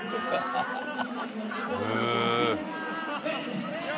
へえ。